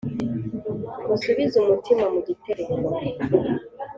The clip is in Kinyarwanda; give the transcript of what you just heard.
Musubize umutima mu gitereko,